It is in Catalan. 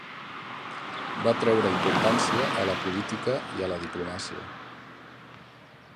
Va treure importància a la política i a la diplomàcia.